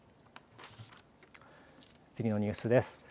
次のニュースです。